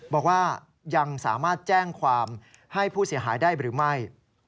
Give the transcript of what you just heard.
บอกว่ายังสามารถแจ้งความให้ผู้เสียหายได้หรือไม่